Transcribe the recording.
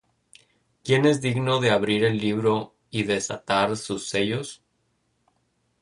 ¿Quién es digno de abrir el libro, y de desatar sus sellos?